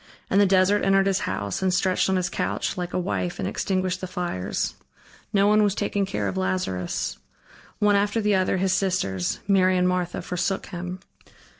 And the desert entered his house, and stretched on his couch, like a wife and extinguished the fires. No one was taking care of Lazarus. One after the other, his sisters Mary and Martha forsook him.